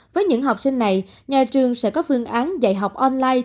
với những học sinh này nhà trường sẽ có phương án dạy học online